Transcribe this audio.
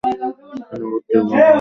এ নগরটি ওতাগো অঞ্চলের প্রধান নগর।